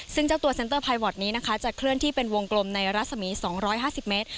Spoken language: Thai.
ซึ่งเจ้าตัวเซ็นเตอร์พายวอร์ดนี้นะคะจะเคลื่อนที่เป็นวงกลมในรัศมี๒๕๐เมตร